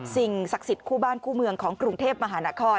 สิ่งศักดิ์สิทธิ์คู่บ้านคู่เมืองของกรุงเทพมหานคร